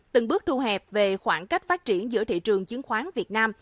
từng bước thu hẹp về khoảng cách phát triển giữa thị trường chứng khoán việt nam